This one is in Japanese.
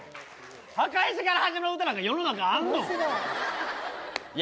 墓石から始まる歌なんか世の中あるの⁉いや